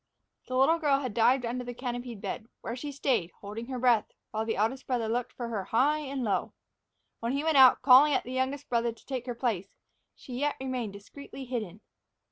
The little girl had dived under the canopied bed, where she stayed, holding her breath, while the eldest brother looked for her high and low. When he went out, calling the youngest brother to take her place, she yet remained discreetly hidden.